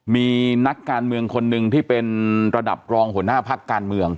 มีนักการเมืองคนหนึ่งที่เป็นระดับรองหัวหน้าพักการเมือง